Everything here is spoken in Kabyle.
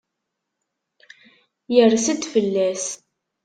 Irs-d fell-as.